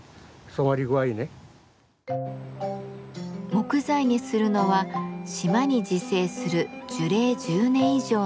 木材にするのは島に自生する樹齢１０年以上の車輪梅。